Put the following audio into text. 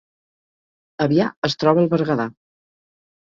Avià es troba al Berguedà